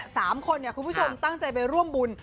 สามคนเนี่ยคุณผู้ชมตั้งใจไปร่วมบุญ